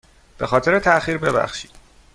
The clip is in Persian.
به خاطر تاخیر ببخشید.